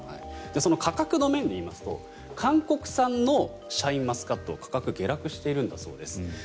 価格の面でいいますと韓国産のシャインマスカットは価格下落しているんだそうです。